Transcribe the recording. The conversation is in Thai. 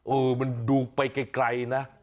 เออมันดูไปไกลนะ